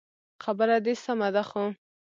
خبره دي سمه ده خو